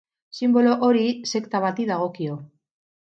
Sinbolo hori sekta bati dagokio.